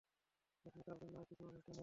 এখানে তার জন্য আর কিছুই অবশিষ্ট নেই।